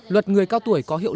luật người cao tuổi có hiệu quả